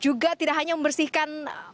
mereka tidak hanya kemudian pergi ke satu tempat